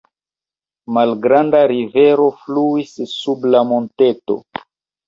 Malgranda rivero fluis sub la monteto.